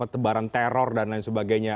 tebaran teror dan lain sebagainya